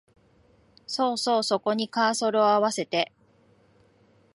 そうそう、そこにカーソルをあわせて